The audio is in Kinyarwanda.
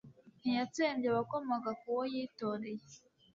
ntiyatsembye abakomoka ku uwo yitoreye